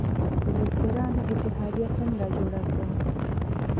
د بزګرانو اتحادیه څنګه جوړه کړم؟